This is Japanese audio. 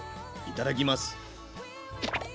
いただきます！